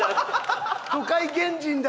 都会原人だ！